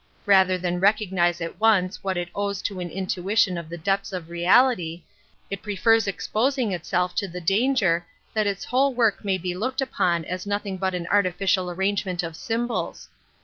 Rather than recognize at once what it awes to an intuition of the depths of reality, /it prefers exposing itself to the danger that its whole work may \te looked upon as nothing but an artificial arrange ment of symbols.